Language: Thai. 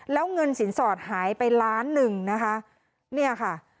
แล้วเงินสินสอดหายไปล้านหนึ่งนะคะเนี่ยค่ะ